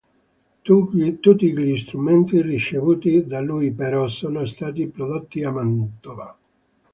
Tutti gli strumenti ricevuti da lui, però, sono stati prodotti a Mantova.